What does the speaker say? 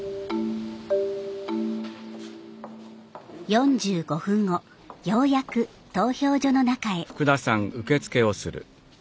４５分後ようやく投票所の中へ。